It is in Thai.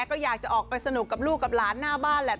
ก็อยากจะออกไปสนุกกับลูกกับหลานหน้าบ้านแหละ